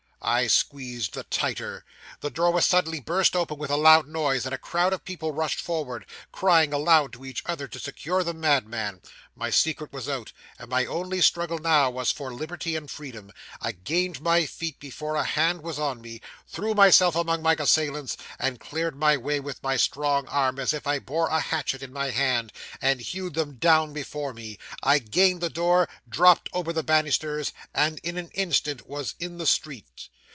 I squeezed the tighter. 'The door was suddenly burst open with a loud noise, and a crowd of people rushed forward, crying aloud to each other to secure the madman. 'My secret was out; and my only struggle now was for liberty and freedom. I gained my feet before a hand was on me, threw myself among my assailants, and cleared my way with my strong arm, as if I bore a hatchet in my hand, and hewed them down before me. I gained the door, dropped over the banisters, and in an instant was in the street.